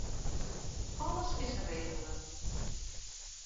Alles is regele.